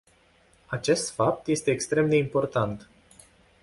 Acest fapt este extrem de important.